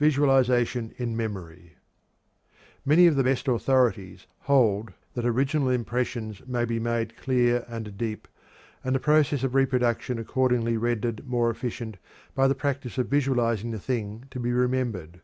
VISUALIZATION IN MEMORY. Many of the best authorities hold that original impressions may be made clear and deep, and the process of reproduction accordingly rendered more efficient, by the practice of visualizing the thing to be remembered.